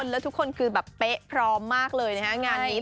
แล้วทุกคนคือแบบเป๊ะพร้อมมากเลยนะฮะงานนี้